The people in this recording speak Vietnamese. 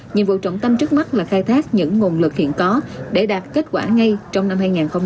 nhiệm vụ trọng tâm trước mắt là khai thác những nguồn lực hiện có để đạt kết quả ngay trong năm hai nghìn hai mươi